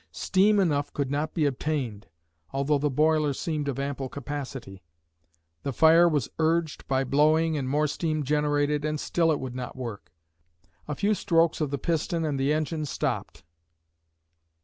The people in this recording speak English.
Steam enough could not be obtained, although the boiler seemed of ample capacity. The fire was urged by blowing and more steam generated, and still it would not work; a few strokes of the piston and the engine stopped.